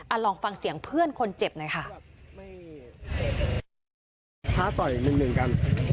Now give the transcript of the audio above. ลองฟังเสียงเพื่อนคนเจ็บหน่อยค่ะ